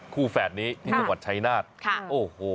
แฝดนี้ที่จังหวัดชายนาฏโอ้โห